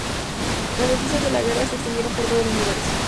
Las noticias de la guerra se extendieron por todo el universo.